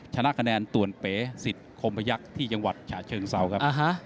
ช้างศึกตุ๋นเปย์สิทธิ์คมพยักษ์จังหวัดฉาเชิงเซาครับ